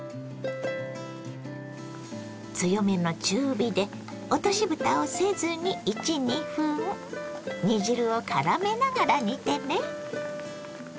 強めの中火で落としぶたをせずに１２分煮汁をからめながら煮てね。